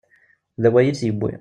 D awway i t-yewwi.